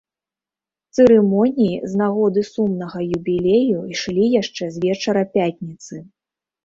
Цырымоніі з нагоды сумнага юбілею ішлі яшчэ з вечара пятніцы.